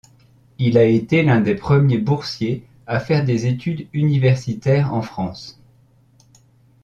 Il a été l'un des premiers boursiers à faire des études universitaires en France.